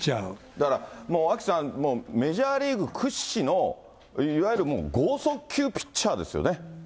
だからもうアキさん、メジャーリーグ屈指の、いわゆる剛速球ピッチャーですよね。